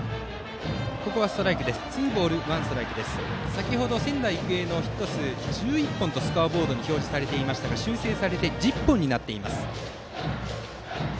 先程、仙台育英のヒット数１１本とスコアボードに表示されていましたが修正されて１０本になっています。